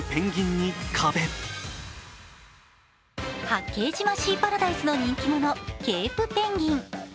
八景島シーパラダイスの人気者ケープペンギン。